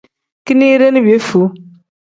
Kinide ni piyefuu.